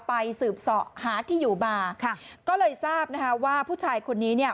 ไปสืบสอบหาที่อยู่มาค่ะก็เลยทราบนะคะว่าผู้ชายคนนี้เนี่ย